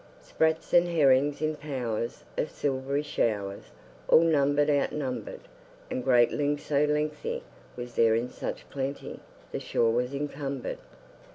Sprats and herrings in powers Of silvery showers All number out numbered; And great ling so lengthy Was there in such plenty The shore was encumber'd.